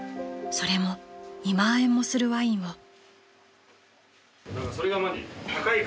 ［それも２万円もするワインを］